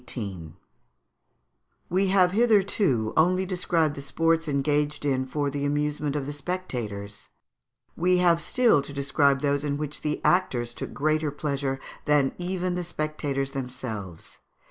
] We have hitherto only described the sports engaged in for the amusement of the spectators; we have still to describe those in which the actors took greater pleasure than even the spectators themselves.